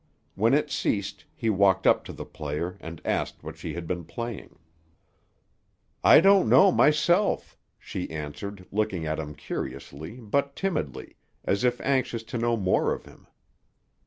When it ceased, he walked up to the player, and asked what she had been playing. "I don't know myself," she answered, looking at him curiously, but timidly, as if anxious to know more of him.